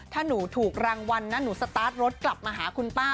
ถ้าหนูถูกรางวัลนะหนูสตาร์ทรถกลับมาหาคุณป้า